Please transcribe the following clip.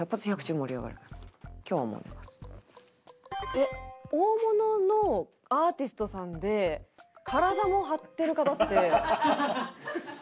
えっ大物のアーティストさんで体も張ってる方って。